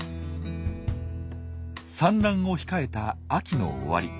産卵を控えた秋の終わり。